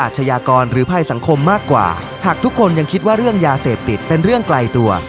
หากทุกคนยังคิดว่าเรื่องยาเสพติดเป็นเรื่องไกลตัว